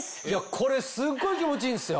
これすっごい気持ちいいんですよ。